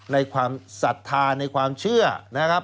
ความศรัทธาในความเชื่อนะครับ